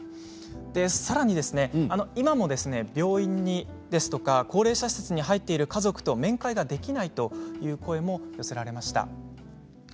さらに今も病院ですとか高齢者施設に入っている家族と面会ができないという声も寄せられました。